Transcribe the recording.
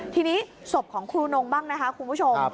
ทีนี้ศพของครูนงบ้างนะคะคุณผู้ชม